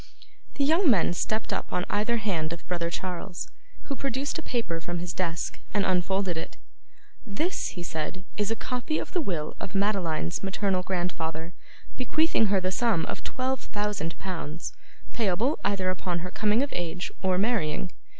The young men stepped up on either hand of brother Charles, who produced a paper from his desk, and unfolded it. 'This,' he said, 'is a copy of the will of Madeline's maternal grandfather, bequeathing her the sum of twelve thousand pounds, payable either upon her coming of age or marrying.